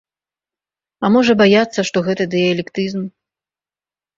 А можа баяцца, што гэта дыялектызм.